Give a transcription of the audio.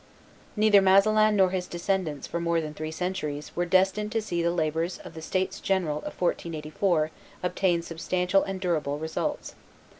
Neither Masselin nor his descendants for more than three centuries were destined to see the labors of the states general of 1484 obtain substantial and durable results.